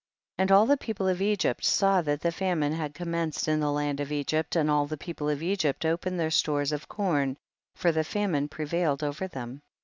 19. And all the people of 'Egypi saw that the famine had commenced in the land of Egypt, and all the people of Egypt opened their stores of corn for the famine prevailed over them.